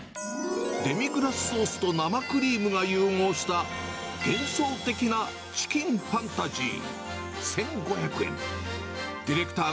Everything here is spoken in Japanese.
デミグラスソースと生クリームが融合した、幻想的なチキンファンタジー、１５００円。